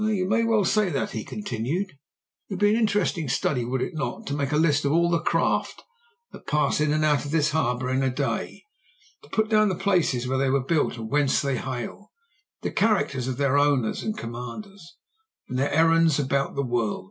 "'You may well say that,' he continued. 'It would be an interesting study, would it not, to make a list of all the craft that pass in and out of this harbour in a day to put down the places where they were built and whence they hail, the characters of their owners and commanders, and their errands about the world.